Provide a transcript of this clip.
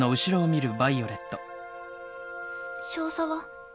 少佐は？